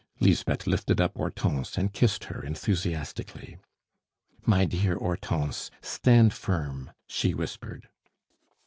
Lisbeth lifted up Hortense and kissed her enthusiastically. "My dear Hortense, stand firm," she whispered.